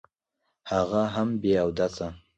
هغه هم بې اوداسه.